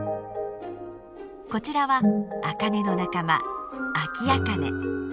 こちらはアカネの仲間アキアカネ。